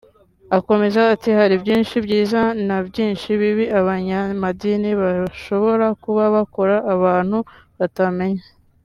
Akomeza ati “Hari byinshi byiza na byinshi bibi abanyamadini bashobora kuba bakora abantu batamenya